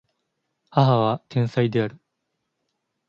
母は天才である